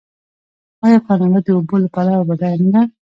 آیا کاناډا د اوبو له پلوه بډایه نه ده؟